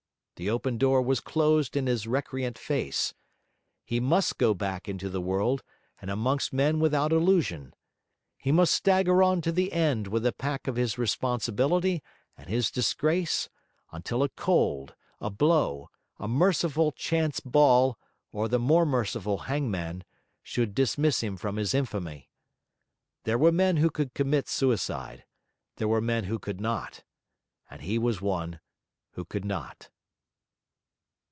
The open door was closed in his recreant face. He must go back into the world and amongst men without illusion. He must stagger on to the end with the pack of his responsibility and his disgrace, until a cold, a blow, a merciful chance ball, or the more merciful hangman, should dismiss him from his infamy. There were men who could commit suicide; there were men who could not; and he was one who could not.